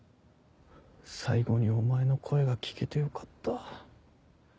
最後にお前の声が聞けてよかった。